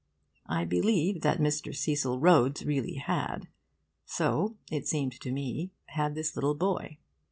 I believe that Mr. Cecil Rhodes really had. So, it seemed to me, had this little boy.